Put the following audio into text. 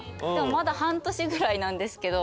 まだ半年ぐらいなんですけど。